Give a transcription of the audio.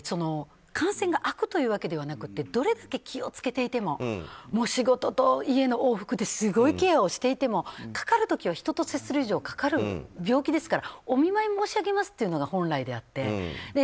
感染が悪というわけではなくてどれだけ気を付けていても仕事と家の往復ですごくケアをしていてもかかる時は人と接する以上かかる病気ですからお見舞い申し上げますというのが本来であって。